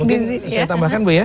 mungkin saya tambahkan bu ya